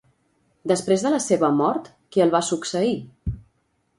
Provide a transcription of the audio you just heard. Després de la seva mort, qui el va succeir?